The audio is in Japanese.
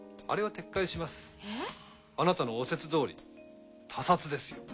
あなたのお説どおり他殺ですよ。